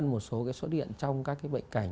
một số cái xuất hiện trong các cái bệnh cảnh